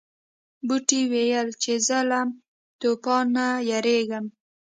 بوټي ویل چې زه له طوفان نه یریږم.